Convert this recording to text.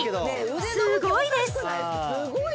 すごいです。